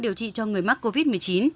điều trị cho người mắc covid một mươi chín